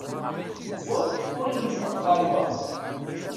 Wa ur ineṭṭeq ɣer wa.